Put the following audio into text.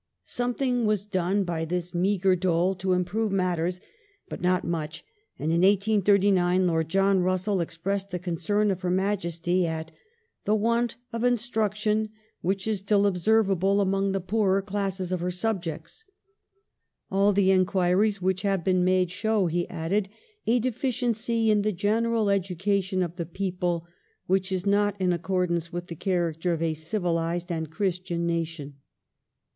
^ Something was done by this meagre dole to im prove matters, but not much, and in 1839 Lord John Russell ex pressed the concern of Her Majesty at " the want of instruction which is still observable among the poorer classes of her subj ects "." All the enquiries which have been made show," he added, " a deficiency in the general education of the people which is not in accordance with the character of a civilized and Christian nation."